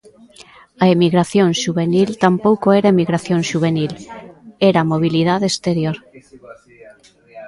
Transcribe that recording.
A emigración xuvenil tampouco era emigración xuvenil, era mobilidade exterior.